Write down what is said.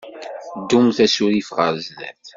Ddumt asurif ɣer sdat.